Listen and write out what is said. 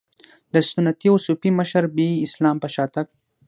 د سنتي او صوفي مشربي اسلام په شا تګ.